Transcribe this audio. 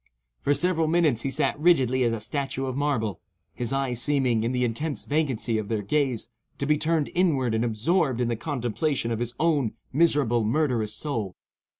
For several minutes he sat rigidly as a statue of marble; his eyes seeming, in the intense vacancy of their gaze, to be turned inward and absorbed in the contemplation of his own miserable, murderous soul.